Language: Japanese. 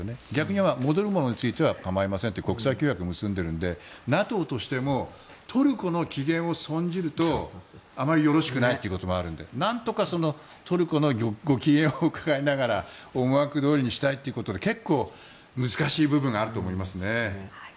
逆に言えば戻るものは構いませんという国際条約を設定しているのでＮＡＴＯとしてもトルコのご機嫌を損ねるとよろしくないということもあるのでなんとかトルコのご機嫌をうかがいながら思惑どおりにしたいということで難しい部分があると思います。